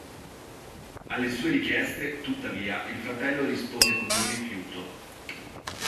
Alle sue richieste, tuttavia, il fratello rispose con un rifiuto.